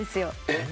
えっ？